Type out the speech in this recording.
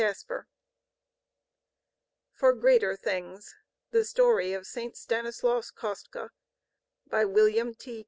93*END* FOR GREATER THINGS The story of Saint Stanislaus Kostka by William T.